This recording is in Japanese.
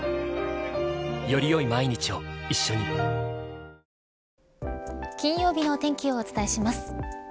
さらに金曜日のお天気をお伝えします。